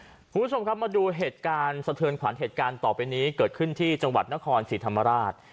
คุณผู้ชมครับมาดูเหตุการณ์สะเทือนขวัญเหตุการณ์ต่อไปนี้เกิดขึ้นที่จังหวัดนครศรีธรรมราช